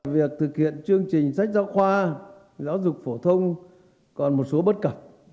việc thực hiện chương trình sách giáo khoa giáo dục phổ thông còn một số bất cập